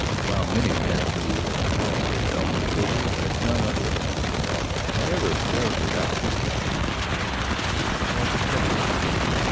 While many men knew of the Palace itself, he believed that none other than himself had ever ferreted out this particular chamber which he called the Treasure Chamber.